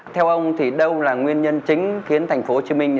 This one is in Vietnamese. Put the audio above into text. theo ông thì đâu là nguyên nhân chính khiến thành phố hồ chí minh